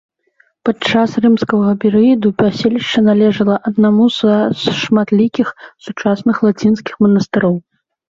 Падчас рымскага перыяду паселішча належала аднаму са шматлікіх сучасных лацінскіх манастыроў.